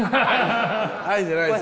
「はい」じゃないですよ。